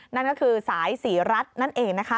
นั่นก็คือสายสีรัดนั่นเอง